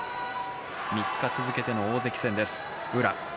３日続けての大関戦です宇良。